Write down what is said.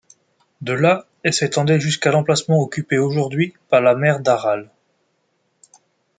De là elle s'étendait jusqu'à l'emplacement occupé aujourd'hui par la mer d'Aral.